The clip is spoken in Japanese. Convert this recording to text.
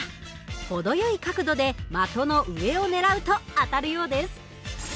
程よい角度で的の上をねらうと当たるようです。